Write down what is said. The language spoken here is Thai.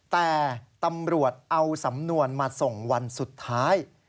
แต่ตำรวจเอาสำนวนมาส่งวันสุดท้าย